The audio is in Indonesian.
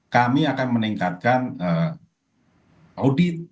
kami akan meningkatkan audit